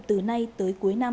từ nay tới cuối năm